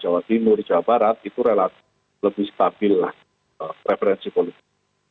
jawa tengah jawa timur jawa barat itu relatif lebih stabil referensi politik